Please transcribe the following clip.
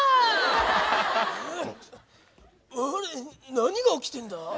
何が起きてんだ？